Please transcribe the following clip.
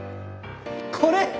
これ。